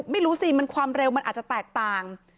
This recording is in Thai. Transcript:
ไม่รู้สิความเร็วมันอาจจะแตกต่าง